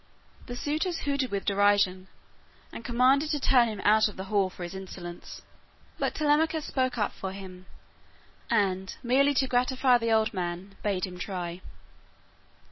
The suitors hooted with derision, and commanded to turn him out of the hall for his insolence. But Telemachus spoke up for him, and, merely to gratify the old man, bade him try.